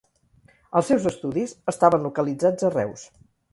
Els seus estudis estaven localitzats a Reus.